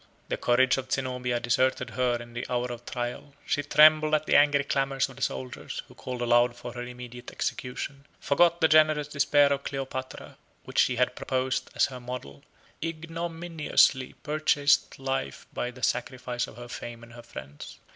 The courage of Zenobia deserted her in the hour of trial; she trembled at the angry clamors of the soldiers, who called aloud for her immediate execution, forgot the generous despair of Cleopatra, which she had proposed as her model, and ignominiously purchased life by the sacrifice of her fame and her friends.